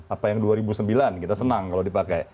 apa yang dua ribu sembilan kita senang kalau dipakai